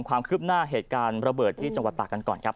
ความคืบหน้าเหตุการณ์ระเบิดที่จังหวัดตากกันก่อนครับ